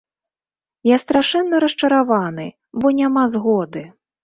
Я страшэнна расчараваны, бо няма згоды.